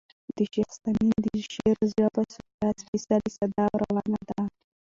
د شېخ تیمن د شعر ژبه سوچه، سپېڅلې، ساده او روانه ده.